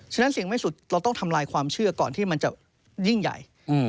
ฉะนั้นเสียงไม่สุดเราต้องทำลายความเชื่อก่อนที่มันจะยิ่งใหญ่